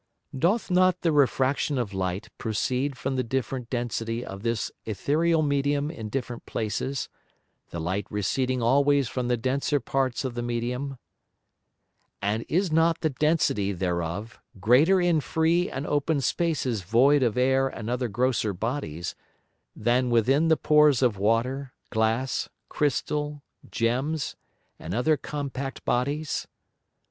Doth not the Refraction of Light proceed from the different density of this Æthereal Medium in different places, the Light receding always from the denser parts of the Medium? And is not the density thereof greater in free and open Spaces void of Air and other grosser Bodies, than within the Pores of Water, Glass, Crystal, Gems, and other compact Bodies?